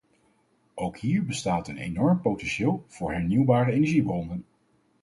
Ook hier bestaat een enorm potentieel voor hernieuwbare energiebronnen.